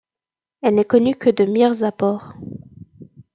Elle n'est connue que de Mirzapore.